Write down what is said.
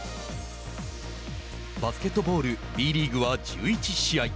バスケットボール、Ｂリーグは１１試合。